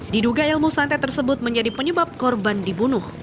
diduga ilmu santet tersebut menjadi penyebab korban dibunuh